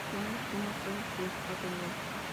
Su primer destino fue el Juzgado núm.